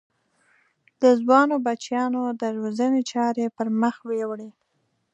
د ځوانو بچیانو د روزنې چارې پر مخ ویوړې.